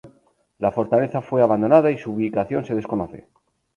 La fortaleza fue abandonada, y su ubicación se desconoce.